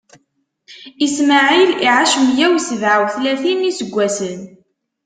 Ismaɛil iɛac meyya usebɛa utlatin n iseggasen.